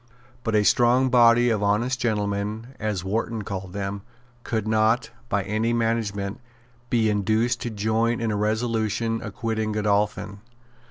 But a strong body of honest gentlemen, as Wharton called them, could not, by any management, be induced to join in a resolution acquitting Godolphin.